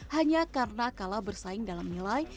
hanya karena kalah bersaing dalam nilai